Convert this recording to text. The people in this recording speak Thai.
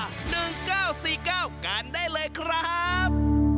หนึ่งเก้าสี่เก้ากันได้เลยครับ